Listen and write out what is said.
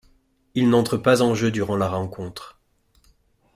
Il n'entre pas en jeu durant la rencontre.